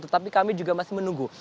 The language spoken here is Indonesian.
tetapi kami juga masih menunggu